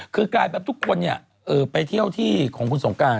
กรายแบบทุกคนไปเที่ยวที่ของขณศ์ผู้โสงการ